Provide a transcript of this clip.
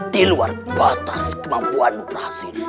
di luar batas kemampuanmu prasini